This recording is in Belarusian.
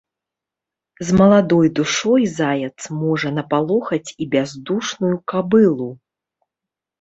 З маладой душой заяц можа напалохаць і бяздушную кабылу.